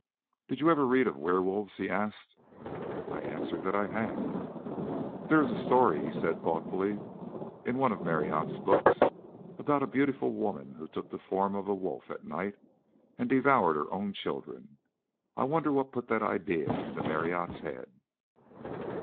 "Did you ever read of wehr wolves?" he asked. I answered that I had. "There is a story," he said thoughtfully, "in one of Marryat's books, about a beautiful woman who took the form of a wolf at night and devoured her own children. I wonder what put that idea into Marryat's head?"